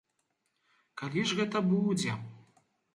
Калі ж гэта будзе?